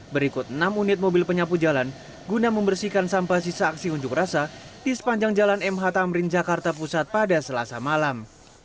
berikut enam unit mobil penyapu jalan guna membersihkan sampah sisa aksi unjuk rasa di sepanjang jalan mh tamrin jakarta pusat pada selasa malam